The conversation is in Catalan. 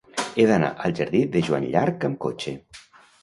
He d'anar al jardí de Joan Llarch amb cotxe.